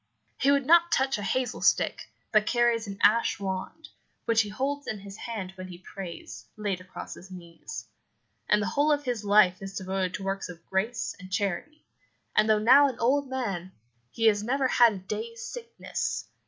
He would not touch a hazel stick, but carries an ash wand, which he holds in his hand when he prays, laid across his knees; and the whole of his life is devoted to works of grace and charity, and though now an old man, he has never had a day's sickness.